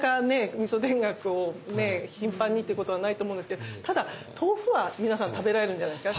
みそ田楽を頻繁にってことはないと思うんですけどただ豆腐は皆さん食べられるんじゃないですか？